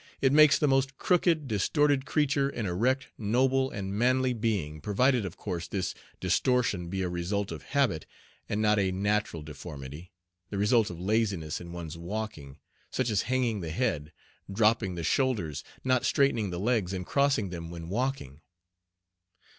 It makes the most crooked, distorted creature an erect, noble, and manly being, provided, of course, this distortion be a result of habit and not a natural deformity, the result of laziness in one's walking, such as hanging the head, dropping the shoulders, not straightening the legs, and crossing them when walking.